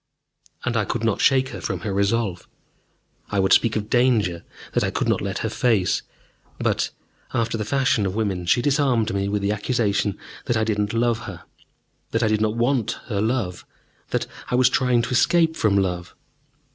And I could not shake her from her resolve. I would speak of danger that I could not let her face. But, after the fashion of women, she disarmed me with the accusation that I did not love her, that I did not want her love, that I was trying to escape from love.